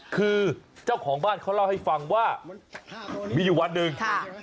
คือเจ้าของบ้านเขาเล่าให้ฟังว่ามีอยู่วันหนึ่ง